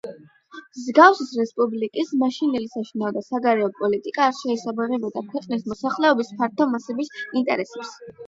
მალაგასის რესპუბლიკის მაშინდელი საშინაო და საგარეო პოლიტიკა არ შეესაბამებოდა ქვეყნის მოსახლეობის ფართო მასების ინტერესებს.